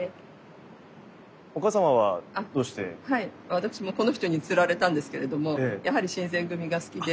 私もこの人につられたんですけれどもやはり新選組が好きで。